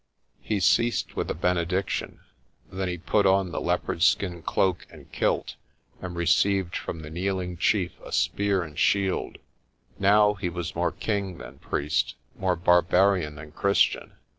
He ceased with a benediction. Then he put on his leopard skin cloak and kilt, and received from the kneeling chief a spear and shield. Now he was more king than priest, more barbarian than Christian.